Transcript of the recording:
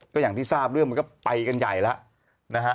ก็อย่างที่ทราบเรื่องมันก็ไปกันใหญ่แล้วนะฮะ